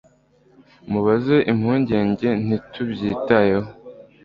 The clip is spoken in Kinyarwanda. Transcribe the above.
mubaze impungenge, ntitubyitayeho